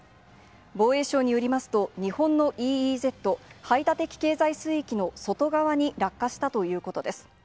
防衛省によりますと、日本のＥＥＺ・排他的経済水域の外側に落下したということです。